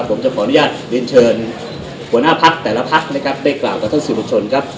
ผมจะขออนุญาตเรียนเชิญหัวหน้าพักแต่ละพักนะครับได้กล่าวกับท่านสื่อมวลชนครับ